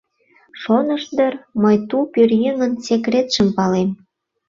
Шонышт дыр, мый ту пӧръеҥын секретшым палем.